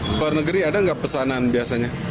di luar negeri ada nggak pesanan biasanya